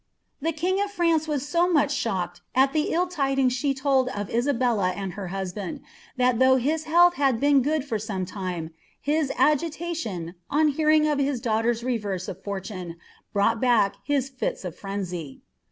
The king of France was ho much shocked al ihe ill lidingn «hD tnid of Isabella and her btisbatid, ihal though his health had ht^n good for some lime, his agitation, on hearing of his daughter^ reverse of fortune, broughl back his fits of frenzy.